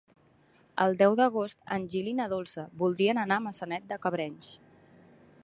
El deu d'agost en Gil i na Dolça voldrien anar a Maçanet de Cabrenys.